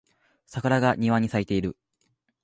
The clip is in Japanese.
桜が庭に咲いている